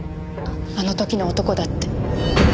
あの時の男だって。